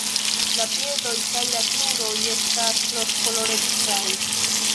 La piedoj kaj la kruroj estas rozkolorecaj.